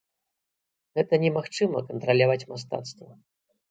Гэта немагчыма, кантраляваць мастацтва.